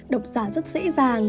đọc giả rất dễ dàng